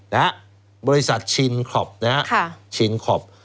นะครับบริษัทชินคลอป